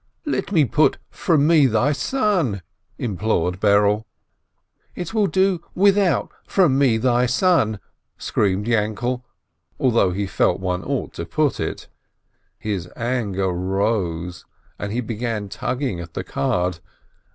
"Let me put 'from me, thy son' !" implored Berele. "It will do without 'from me, thy son'!" screamed Yainkele, although he felt that one ought to put it. His anger rose, and he began tugging at the card.